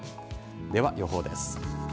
では、予報です。